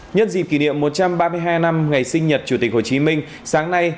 nhân dịp kỷ niệm một trăm ba mươi hai năm ngày sinh nhật chủ tịch hồ chí minh sáng nay